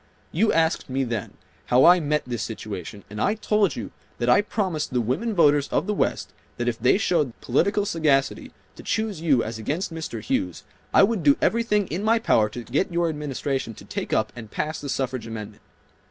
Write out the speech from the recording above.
You asked me then how I met this situation, and I told you that I promised the women voters of the West that if they showed the political sagacity to choose you as against Mr. Hughes, I would do everything in my power to get your Administration to take up and pass the suffrage amendment.